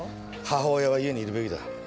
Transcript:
母親は家にいるべきだ。